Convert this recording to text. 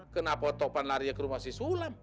kenapa topan larinya ke rumah si sulam